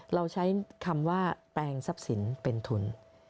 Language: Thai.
เราใช้คำว่าแปลงทรัพย์สินเป็นทุน